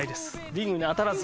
リングに当たらず。